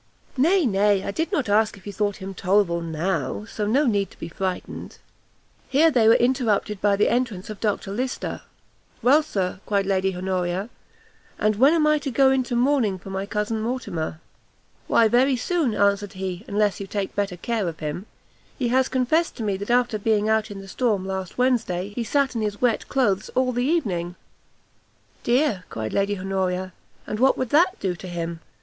"Nay, nay, I did not ask if you thought him tolerable now, so no need to be frightened." Here they were interrupted by the entrance of Dr Lyster. "Well, Sir," cried Lady Honoria, "and when am I to go into mourning for my cousin Mortimer?" "Why very soon," answered he, "unless you take better care of him. He has confessed to me that after being out in the storm last Wednesday, he sat in his wet cloaths all the evening." "Dear," cried Lady Honoria, "and what would that do to him?